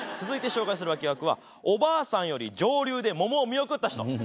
続いて紹介する脇役はおばあさんより上流で桃を見送った人。